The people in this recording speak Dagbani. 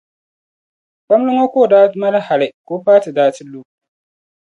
kpamli ŋɔ ka o daa mali hali ka o paati daa ti lu.